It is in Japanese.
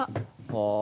はあ。